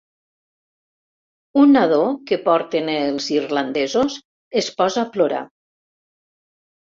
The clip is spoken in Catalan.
Un nadó que porten els irlandesos es posa a plorar.